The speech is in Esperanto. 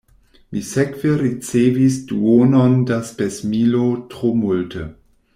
Mi sekve ricevis duonon da spesmilo tro multe.